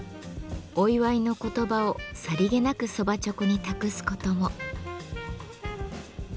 お祝いの言葉をさりげなく蕎麦猪口に託すことも。